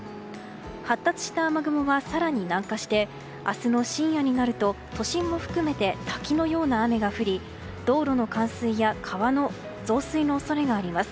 発達した雨雲は更に南下して明日の深夜になると都心も含めて滝のような雨が降り道路の冠水や川の増水の恐れがあります。